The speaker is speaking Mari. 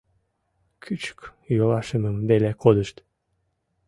— Кӱчык йолашемым веле кодышт...